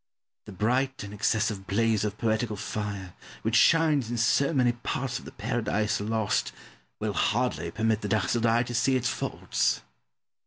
The bright and excessive blaze of poetical fire, which shines in so many parts of the "Paradise Lost," will hardly permit the dazzled eye to see its faults.